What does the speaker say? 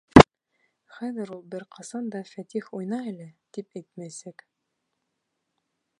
Хәҙер ул бер ҡасан да «Фәтих, уйна әле!» тип әйтмәйәсәк.